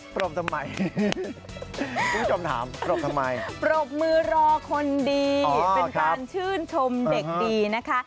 ปรบทำไมคุณผู้ชมถามปรบทำไมปรบมือรอคนดีเป็นการชื่นชมเด็กดีนะคะ